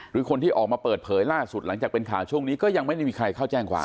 หรือคนที่ออกมาเปิดเผยล่าสุดหลังจากเป็นข่าวช่วงนี้ก็ยังไม่ได้มีใครเข้าแจ้งความ